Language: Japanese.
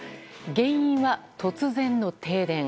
原因は突然の停電。